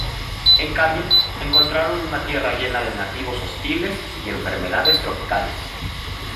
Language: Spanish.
En cambio, encontraron una tierra llena de nativos hostiles y enfermedades tropicales.